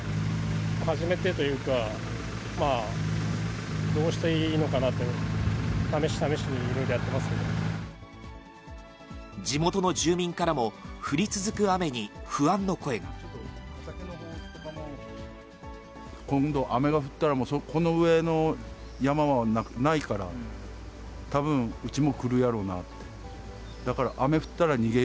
初めてというか、どうしていいのかなと、試し試しに、いろいろや地元の住民からも、今度雨が降ったら、もうこの上の山はないから、たぶん、うちも来るやろうなって。